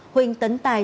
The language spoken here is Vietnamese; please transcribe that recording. huynh tấn tài